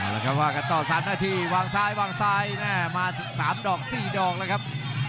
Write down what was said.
เอาล่ะครับฝากต่อ๓นาทีวางซ้ายคือ๓๔ดรองครับ